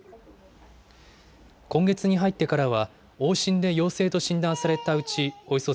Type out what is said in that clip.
今月に入ってからは、往診で陽性と診断されたうち、およそ３０％